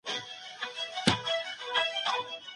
کوم علم دی چي انسان ته تر ټولو زياته ګټه رسوي؟